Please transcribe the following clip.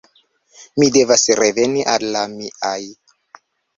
Mi devas reveni al la miaj.